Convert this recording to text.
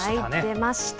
出ました。